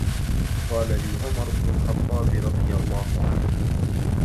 قَالَ لِي عُمَرُ بْنُ الْخَطَّابِ رَضِيَ اللَّهُ عَنْهُ